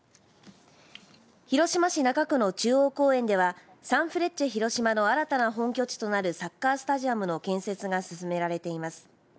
広島市中区の中央公園ではサンフレッチェ広島の新たな本拠地となるサッカースタジアムの建設が進められています。